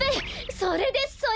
それですそれ！